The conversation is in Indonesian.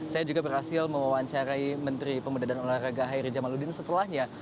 saya juga berhasil mewawancarai menteri pemuda dan olahraga hairi jamaludin setelahnya